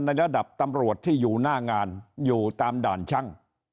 ระดับตำรวจที่อยู่หน้างานอยู่ตามด่านช่าง